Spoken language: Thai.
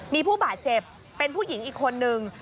มีผู้บาดเจ็บเป็นผู้หญิงอีกคนนึง